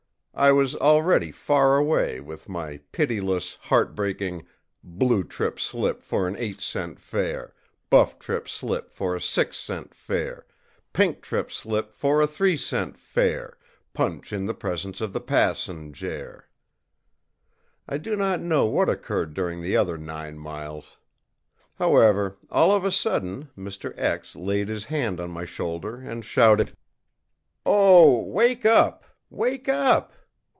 I was already far away with my pitiless, heartbreaking ìblue trip slip for an eight cent fare, buff trip slip for a six cent fare, pink trip slip for a three cent fare; punch in the presence of the passenjare.î I do not know what occurred during the other nine miles. However, all of a sudden Mr. laid his hand on my shoulder and shouted: ìOh, wake up! wake up!